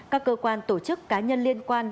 các cơ quan tổ chức cá nhân liên quan